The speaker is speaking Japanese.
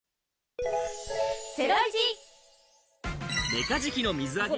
メカジキの水揚げ。